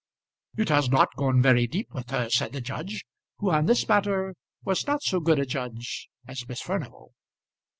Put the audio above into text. "It has not gone very deep, with her," said the judge, who on this matter was not so good a judge as Miss Furnival.